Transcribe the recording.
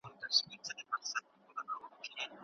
لومړی باید مسله وټاکل سي او وپېژندل سي.